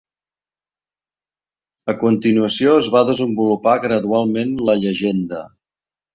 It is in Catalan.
A continuació, es va desenvolupar gradualment la llegenda.